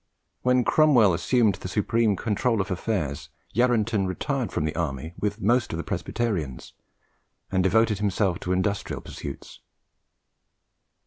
When Cromwell assumed the supreme control of affairs, Yarranton retired from the army with most of the Presbyterians, and devoted himself to industrial pursuits.